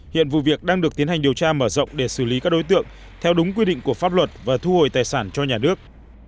hiện vụ việc đang được tiến hành điều tra mở rộng để xử lý các đối tượng theo đúng quy định của pháp luật và thu hồi tài sản cho nhà nước